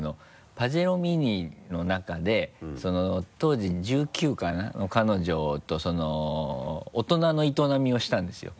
パジェロミニの中で当時１９かな？の彼女と大人の営みをしたんですよ。